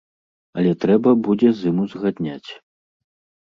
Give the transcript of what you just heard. Але трэба будзе з ім узгадняць.